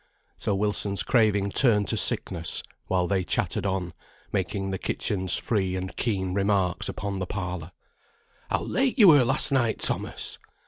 So Wilson's craving turned to sickness, while they chattered on, making the kitchen's free and keen remarks upon the parlour. "How late you were last night, Thomas!"